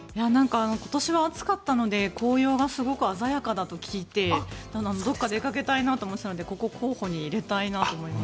今年は暑かったので紅葉がすごく鮮やかだと聞いてどこか出かけたいなと思っていたのでここ、候補に入れたいなと思います。